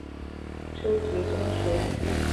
毕业后在密西根州弗林特教初级中学。